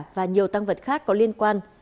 và nhiều tăng vật khác có liên quan